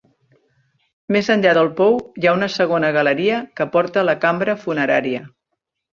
Més enllà del pou hi ha una segona galeria que porta a la cambra funerària.